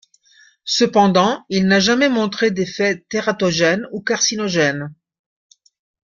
Cependant, il n'a jamais montré d'effet tératogène ou carcinogène.